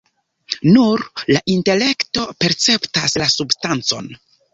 Nur la intelekto perceptas la substancon.